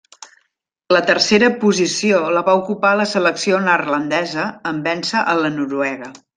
La tercera posició la va ocupar la selecció neerlandesa en véncer a la noruega.